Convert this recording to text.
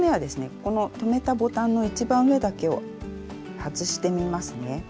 この留めたボタンの一番上だけを外してみますね。